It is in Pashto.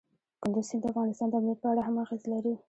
کندز سیند د افغانستان د امنیت په اړه هم اغېز لري.